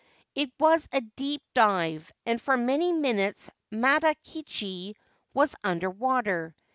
It was a deep dive, and for many minutes Matakichi was under water.